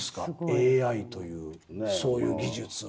ＡＩというそういう技術。